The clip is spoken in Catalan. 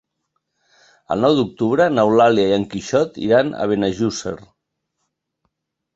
El nou d'octubre n'Eulàlia i en Quixot iran a Benejússer.